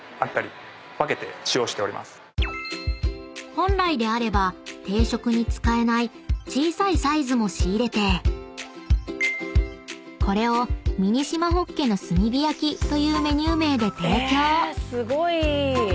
［本来であれば定食に使えない小さいサイズも仕入れてこれをミニしまほっけの炭火焼きというメニュー名で提供］